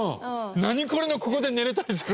『ナニコレ』のここで寝れたりする。